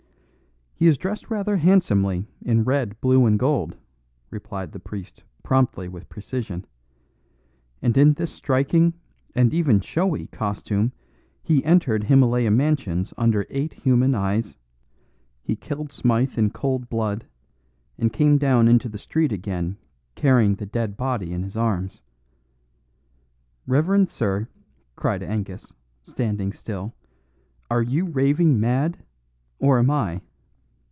"He is dressed rather handsomely in red, blue and gold," replied the priest promptly with precision, "and in this striking, and even showy, costume he entered Himylaya Mansions under eight human eyes; he killed Smythe in cold blood, and came down into the street again carrying the dead body in his arms " "Reverend sir," cried Angus, standing still, "are you raving mad, or am I?"